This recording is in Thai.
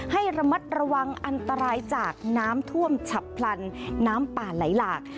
ให้ระมัดระวังอันตรายจากน้ำท่วมฉับพลันน้ำป่าไหลหลาก